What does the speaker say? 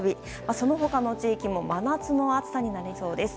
その他の地域も真夏の暑さになりそうです。